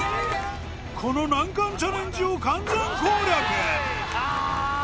この難関チャレンジを完全攻略ああ！